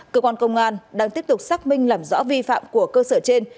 cơ quan công an đang tiếp tục xác minh làm rõ vi phạm của cơ sở trên